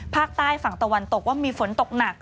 ภาคใต้ฝั่งตะวันตกว่ามีฝนตกหนัก